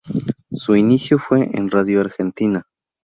Su inicio fue en Radio Argentina.